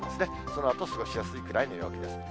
そのあと過ごしやすいぐらいの陽気です。